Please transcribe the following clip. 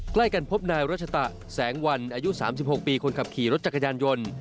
ใกล้กันพบนายรัชตะแสงวันอายุ๓๖ปีคนขับขี่รถจักรยานยนต์